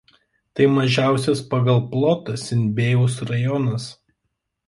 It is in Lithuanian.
Tai mažiausias pagal plotą Sinbėjaus rajonas.